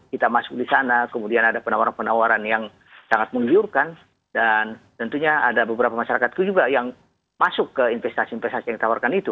kita masuk di sana kemudian ada penawaran penawaran yang sangat menggiurkan dan tentunya ada beberapa masyarakatku juga yang masuk ke investasi investasi yang ditawarkan itu